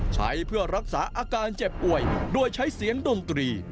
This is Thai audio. ใช้เพื่อรักษาอาการเจ็บป่วยโดยใช้เสียงดนตรี